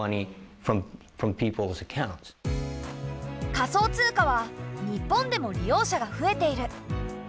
仮想通貨は日本でも利用者が増えている。